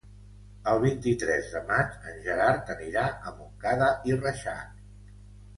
El vint-i-tres de maig en Gerard anirà a Montcada i Reixac.